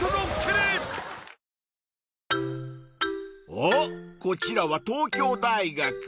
［おっこちらは東京大学］